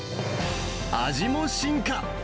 味も進化！